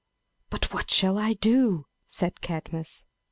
"But what shall I do?" said Cadmus.